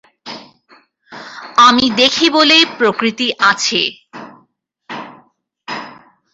আমি দেখি বলেই প্রকৃতি আছে।